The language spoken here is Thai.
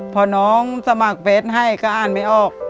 พอน้องสมัครเฟสให้ก็อ่านไม่ออก